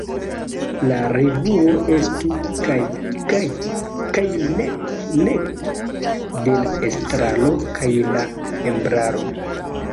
La revuo estu kaj-kaj, kaj nek-nek de la estraro kaj la membraro.